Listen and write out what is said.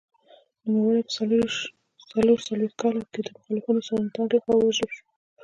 نوموړی په څلور څلوېښت کال کې د مخالفو سناتورانو لخوا ووژل شو.